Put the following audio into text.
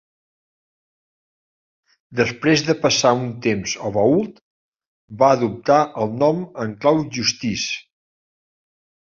Després de passar un temps al Vault, va adoptar el nom en clau Justice.